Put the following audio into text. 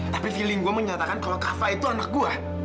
tapi feeling gue menyatakan kalau kava itu anak gue